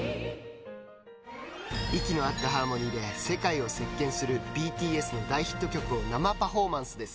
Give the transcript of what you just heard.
息の合ったハーモニーで世界を席巻する ＢＴＳ の大ヒット曲を生パフォーマンスです。